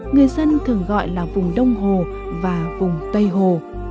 người dân thường gọi là vùng đông hồ và vùng tây hồ